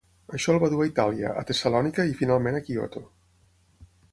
Això el va dur a Itàlia, a Tessalònica i finalment a Kyoto.